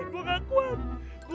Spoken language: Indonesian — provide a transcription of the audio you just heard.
gue gak kuat